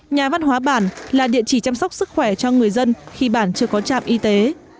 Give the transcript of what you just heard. nhà văn hóa bản là địa chỉ chăm sóc sức khỏe cho người dân khi bản chưa có trạm y tế